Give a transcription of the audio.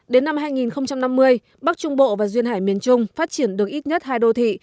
đến năm hai nghìn năm mươi bắc trung bộ và duyên hải miền trung phát triển được ít nhất hai đô thị